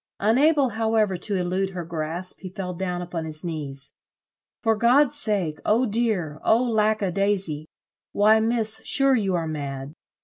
Unable however to elude her grasp he fell down upon his knees. "For God's sake! Oh dear! Oh lack a daisy! Why, Miss, sure you are mad."